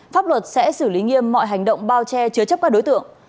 pháp luật sẽ xử lý nghiêm mọi hành động bao che chứa chấp các đối tượng